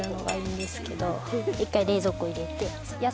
一回冷蔵庫入れて。